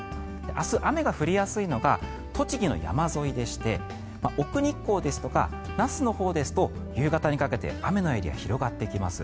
明日、雨が降りやすいのが栃木の山沿いでして奥日光ですとか那須のほうですと夕方にかけて雨のエリアが広がってきます。